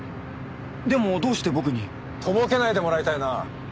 でもどうして僕に？とぼけないでもらいたいな。